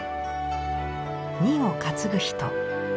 荷を担ぐ人。